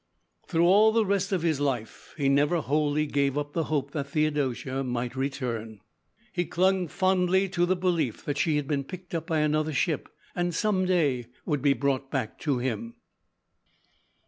Through all the rest of his life, he never wholly gave up the hope that Theodosia might return. He clung fondly to the belief that she had been picked up by another ship, and some day would be brought back to him.